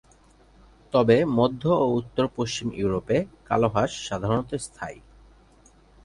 তবে মধ্য ও উত্তর-পশ্চিম ইউরোপে কালো হাঁস সাধারণত স্থায়ী।